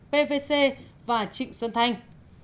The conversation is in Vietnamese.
pvc và trịnh xuân thanh